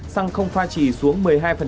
xăng không pha trì xuống một mươi hai